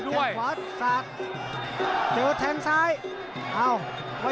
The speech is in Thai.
โดนท่องโดนท่องมีอาการ